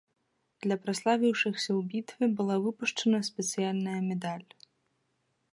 Для праславіўшыхся ў бітве была выпушчаная спецыяльная медаль.